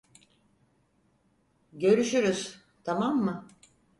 Görüşürüz, tamam mı?